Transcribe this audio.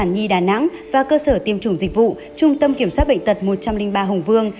bệnh viện phụ sa sản nhi đà nẵng và cơ sở tiêm chủng dịch vụ trung tâm kiểm soát bệnh tật một trăm linh ba hồng vương